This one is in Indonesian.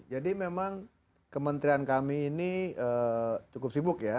jadi memang kementerian kami ini cukup sibuk ya